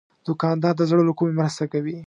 دوکاندار د زړه له کومي مرسته کوي.